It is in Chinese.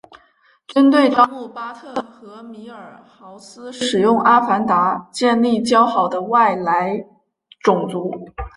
军队招募巴特和米尔豪斯使用阿凡达建立交好的外来种族。